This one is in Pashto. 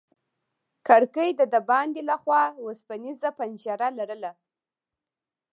کړکۍ د باندې له خوا وسپنيزه پنجره لرله.